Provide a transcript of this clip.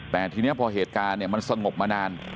แต่ทีนี้พอเหตุการณ์มันสงบมานาน